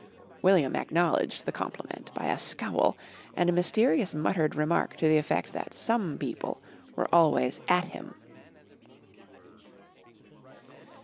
William acknowledged the compliment by a scowl and a mysterious muttered remark to the effect that some people were always at him.